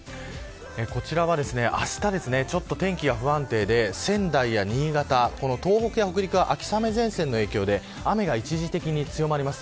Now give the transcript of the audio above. こちらは、あしたちょっと天気が不安定で仙台や新潟東北や北陸は秋雨前線の影響で雨が一時的に強まります。